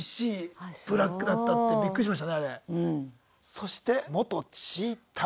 そして「元チーター」。